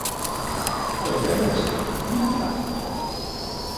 Καλέ για δες το! Τι είναι αυτά!